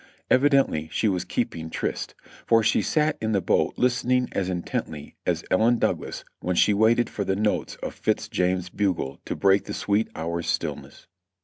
Evidently she was keeping tryst, for she sat in the boat listening as intently as Ellen Douglas when she waited for the notes of Fitz James's bugle to break the sweet hour's stillness.